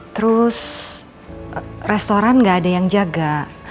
terus restoran nggak ada yang jaga